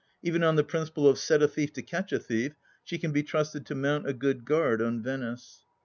Even on the principle of set a thief to catch a thief, she can be trusted to mount a good guard on Venice.